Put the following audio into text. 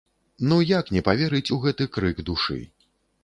Ну як не паверыць у гэты крык душы?